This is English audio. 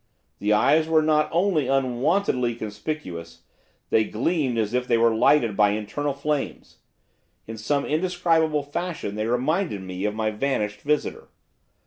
The eyes were not only unwontedly conspicuous, they gleamed as if they were lighted by internal flames, in some indescribable fashion they reminded me of my vanished visitor.